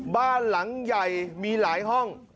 บ้านหลังใหญ่มีหลายห้อง